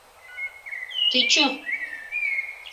Ты че?!